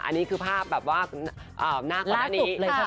อันนี้คือภาพแบบว่าหน้าก่อนอันนี้ล่าสุดเลยค่ะ